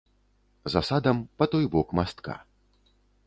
За садам, па той бок мастка.